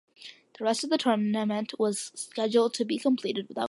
The rest of the tournament was scheduled to be completed without fans in attendance.